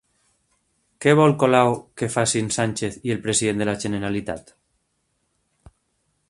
Què vol Colau que facin Sánchez i el president de la Generalitat?